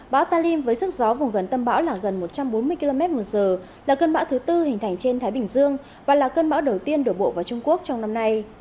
bão talim với sức gió vùng gần tâm bão là gần một trăm bốn mươi km một giờ là cơn bão thứ tư hình thành trên thái bình dương và là cơn bão đầu tiên đổ bộ vào trung quốc trong năm nay